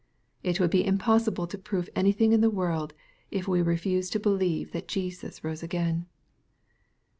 It would be impossible to prove anything in the world, if we refuse to believe that Jesus rose again.